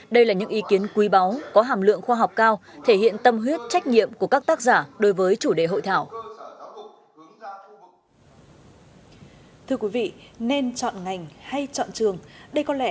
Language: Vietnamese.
đây là những ý kiến quý báu có hàm lượng khoa học cao thể hiện tâm huyết trách nhiệm của các tác giả đối với chủ đề hội thảo